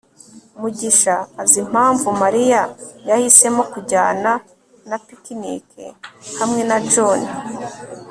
mugisha azi impamvu mariya yahisemo kutajyana na picnic hamwe na john